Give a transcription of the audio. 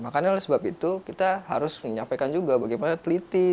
makanya oleh sebab itu kita harus menyampaikan juga bagaimana teliti cerdas dan juga cermat